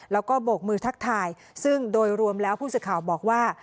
แล้วก็โบกมือทักทายซึ่งโดยรวมแล้วผู้สื่อข่าวบอกว่า